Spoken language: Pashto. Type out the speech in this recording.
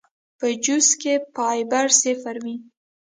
پۀ جوس کښې فائبر صفر وي